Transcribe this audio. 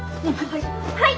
はい。